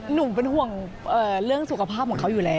หนุ่มเป็นห่วงเรื่องสุขภาพของเขาอยู่แล้ว